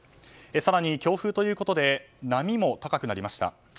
更に強風注意報ということで波も高くなりました。